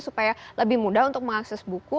supaya lebih mudah untuk mengakses buku